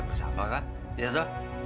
bersama kan ya tak